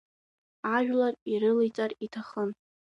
Ажәлар ирылеиҵар иҭахын.